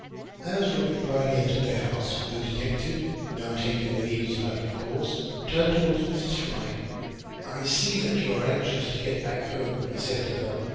As Robert Brierly entered the house, the detective, now taking the lead as a matter of course, turned toward Mrs. Fry. "I see that you are anxious to get back home," he said to her.